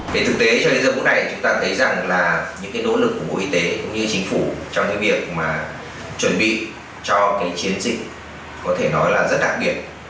về thực tế cho đến giờ bữa nay chúng ta thấy rằng là những cái nỗ lực của bộ y tế cũng như chính phủ trong những việc mà chuẩn bị cho cái chiến dịch có thể nói là rất đặc biệt